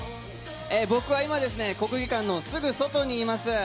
僕は今ですね、国技館のすぐ外にいます。